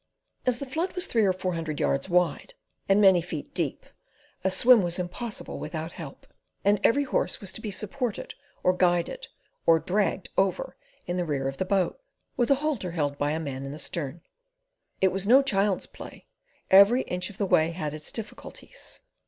As the flood was three or four hundred yards wide and many feet deep, a swim was impossible without help, and every horse was to be supported or guided, or dragged over in the rear of the boat, with a halter held by a man in the stern. It was no child's play. Every inch of the way had its difficulties.